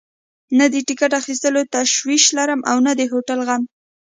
نه د ټکټ اخیستلو تشویش لرم او نه د هوټل غم.